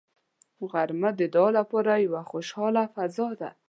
غرمه د دعا لپاره یوه خوشاله فضا ده